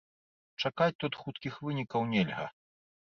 Чакаць тут хуткіх вынікаў нельга.